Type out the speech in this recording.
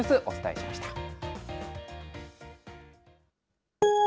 お伝えしました。